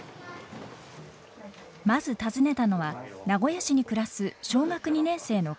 まず訪ねたのは名古屋市に暮らす小学２年生のＫ君です。